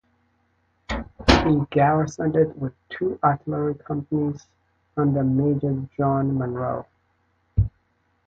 He garrisoned it with two artillery companies under Major John Munroe.